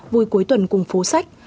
vui cuối tuần cùng phố sách